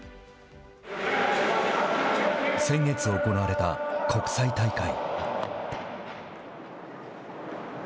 先月行われた国際大会。